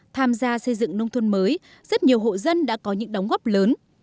tham gia xây dựng nông thôn mới rất nhiều hộ dân đã có những đóng góp lớn